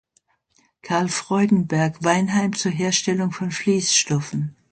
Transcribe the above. Carl Freudenberg, Weinheim zur Herstellung von Vliesstoffen.